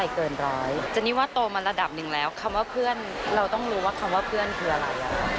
คำว่าเพื่อนเราต้องรู้ว่าคำว่าเพื่อนคืออะไร